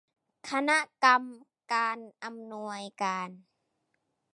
คณะกรรมการอำนวยการ